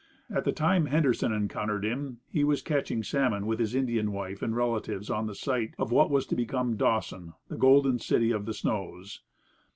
At the time Henderson encountered him he was catching salmon with his Indian wife and relatives on the site of what was to become Dawson, the Golden City of the Snows.